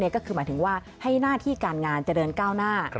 ก็คือหมายถึงว่าให้หน้าที่การงานเจริญก้าวหน้า